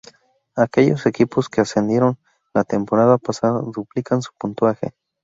Aquellos equipos que ascendieron la temporada pasada, duplican su puntaje.